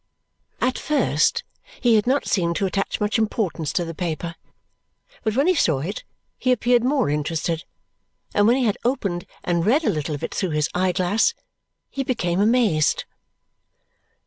At first he had not seemed to attach much importance to the paper, but when he saw it he appeared more interested, and when he had opened and read a little of it through his eye glass, he became amazed.